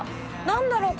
何だろう？